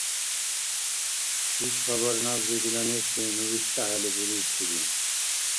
Иш хабар набзи дила нешли, ну виштӀахӀели, бурибсири.